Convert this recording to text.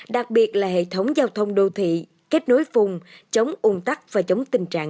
đặc biệt là hệ thống giao thông đô thị kết nối vùng chống ung tắc và chống tình trạng